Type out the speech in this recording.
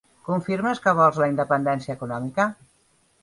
Confirmes que vols la independència econòmica?